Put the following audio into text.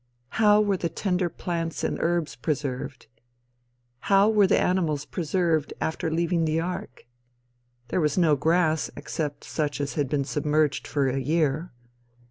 How were the tender plants and herbs preserved? How were the animals preserved after leaving the ark? There was no grass except such as had been submerged for a year.